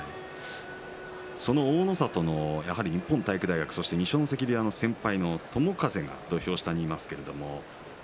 大の里の日本体育大学二所ノ関部屋の先輩の友風が土俵下にいますが。